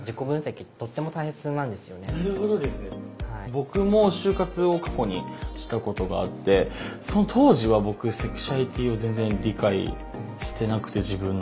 僕も就活を過去にしたことがあってその当時は僕セクシュアリティーを全然理解してなくて自分の。